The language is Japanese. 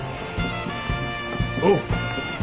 おう。